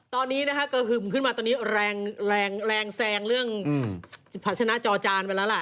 ตอนนี้นะคะกระหึ่มขึ้นมาตอนนี้แรงแรงแซงเรื่องภาชนะจอจานไปแล้วล่ะ